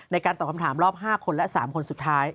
ในการตอบคำถามรอบ๕คนและ๓คนสุดท้าย